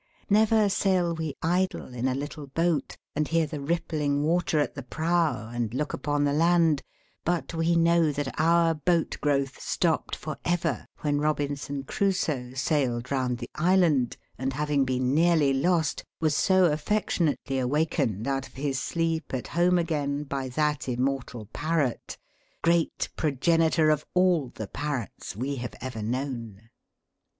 Never sail we, idle, in a little boat, and hear the rippling water at the prow, and look upon the land, but we know that our boat growth stopped for ever, when Robinson Crusoe sailed round the Island, and, having been neaiiy lost, was so affectionately awakened out of his sleep at home again by that immortal parrot, great progenitor of all the parrots we have ever known.